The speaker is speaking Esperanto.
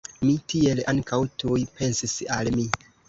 Mi tiel ankaŭ tuj pensis al mi!